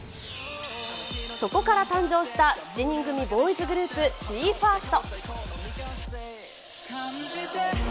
そこから誕生した７人組ボーイズグループ、ＢＥＦＩＲＳＴ。